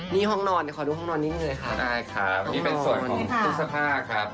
นี่ห้องนอนขอดูห้องนอนนี้หน่อยค่ะได้ครับนี่เป็นส่วนของทุกสภาพครับ